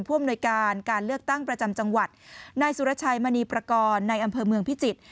อำนวยการการเลือกตั้งประจำจังหวัดนายสุรชัยมณีประกอบในอำเภอเมืองพิจิตร